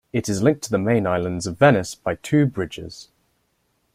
It is linked to the main islands of Venice by two bridges.